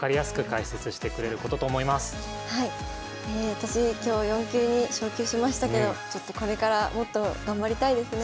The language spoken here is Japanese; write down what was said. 私今日４級に昇級しましたけどちょっとこれからもっと頑張りたいですね。